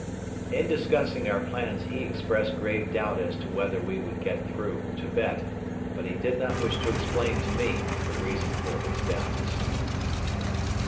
In discussing our plans he expressed grave doubt as to whether we would get through Tibet but he did not wish to explain to me the reason for his doubts.